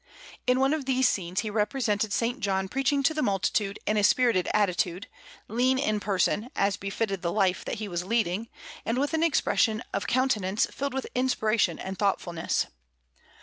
In one of these scenes he represented S. John preaching to the multitude in a spirited attitude, lean in person, as befitted the life that he was leading, and with an expression of countenance filled with inspiration and thoughtfulness.